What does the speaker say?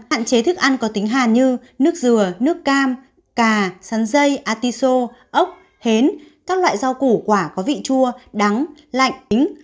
hạn chế thức ăn có tính hàn như nước dừa nước cam cà sắn dây artiso ốc hến các loại rau củ quả có vị chua đắng lạnh ý